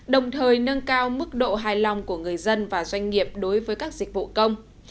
đồng thời nâng cao mức độ hài lòng của người dân và doanh nghiệp đối với các dịch vụ công